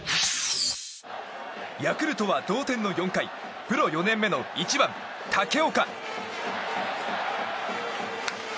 ヤクルトは同点の４回プロ４年目の１番、武岡。